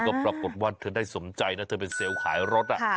ก็ปรากฏว่าเธอได้สมใจนะเธอเป็นเซลล์ขายรถ